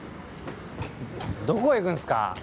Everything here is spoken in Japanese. どこ行くんすか？